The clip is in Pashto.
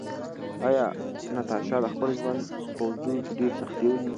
ایا ناتاشا د خپل ژوند په اوږدو کې ډېرې سختۍ ولیدلې؟